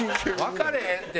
わかれへんって。